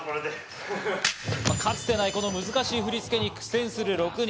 かつてないこの難しい振り付けに苦戦する６人。